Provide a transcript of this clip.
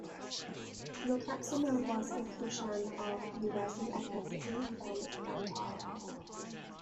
Lokaksema was a Kushan of Yuezhi ethnicity from Gandhara.